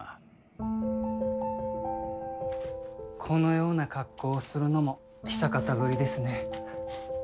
このような格好をするのも久方ぶりですね。